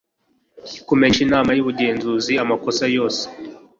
kumenyesha inama y'ubugenzuzi amakosa yose